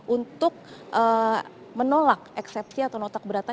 untuk menolak eksepsi atau nota keberatan